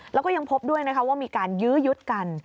แล้วก็ยังพบด้วยนะคะว่ามีการยื้อยุดกัน